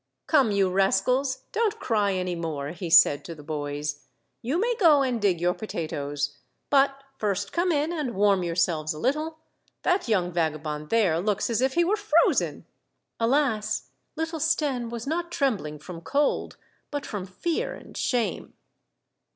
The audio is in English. "Come, you rascals, don't cry any more," he said to the boys. " You may go and dig your potatoes, but first come in and warm yourselves a little ; that young vagabond there looks as if he were frozen !" Alas ! little Stenne was not trembling from cold, but from fear and shame.